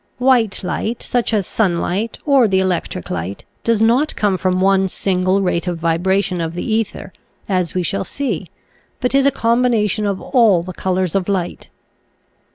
White light, such as sunlight or the electric light, does not come from one single rate of vibration of the ether, as we shall see, but is a combination of all the colors of light.